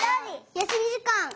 やすみじかん。